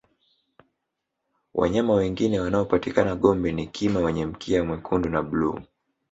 wanyama wengine wanaopatikana gombe ni kima wenye mkia mwekundu na bluu